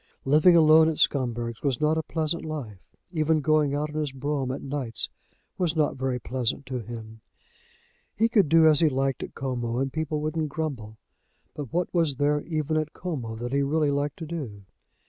Living alone at Scumberg's was not a pleasant life. Even going out in his brougham at nights was not very pleasant to him. He could do as he liked at Como, and people wouldn't grumble; but what was there even at Como that he really liked to do?